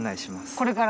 これから？